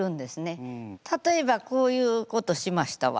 例えばこういうことしましたわ。